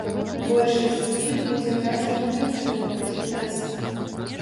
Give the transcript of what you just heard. Большасць з іх будзе граць і на канцэртнай прэзентацыі.